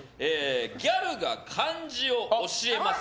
ギャルが漢字を教えます。